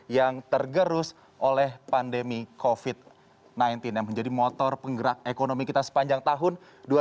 yang tergerus oleh pandemi covid sembilan belas yang menjadi motor penggerak ekonomi kita sepanjang tahun dua ribu dua puluh